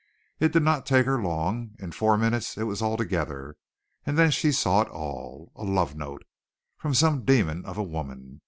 It did not take her long. In four minutes it was all together, and then she saw it all. A love note! From some demon of a woman.